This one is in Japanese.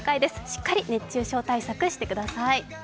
しっかり熱中症対策してください。